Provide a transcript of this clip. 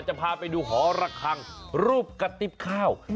จะพาไปดูหอระคังรูปกระติ๊บข้าว